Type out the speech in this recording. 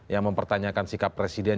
yang mempertanyakan sikap presiden